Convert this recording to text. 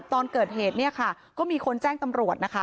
ตอนเกิดเหตุก็มีคนแจ้งตำรวจ